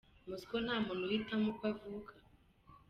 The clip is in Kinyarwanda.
Muzi ko nta muntu uhitamo uko avuka.